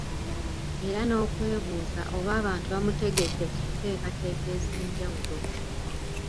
Era n’okwebuuza oba abantu bamutegedde ku nteekateeka ez’enjawulo.